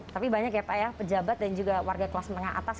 tapi banyak ya pak ya pejabat dan juga warga kelas menengah atas